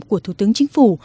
của thủ tướng chính phủ